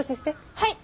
はい！